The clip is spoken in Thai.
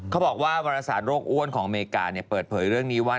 เขาบอกว่าวรสารโรคอ้วนของอเมริกาเปิดเผยเรื่องนี้ว่า